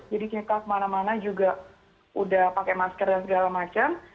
jadi kita kemana mana juga sudah pakai masker dan segala macam